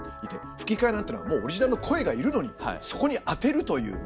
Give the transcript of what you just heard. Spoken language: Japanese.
吹き替えなんていうのはもうオリジナルの声がいるのにそこに当てるという。